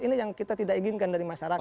ini yang kita tidak inginkan dari masyarakat